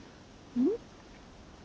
うん？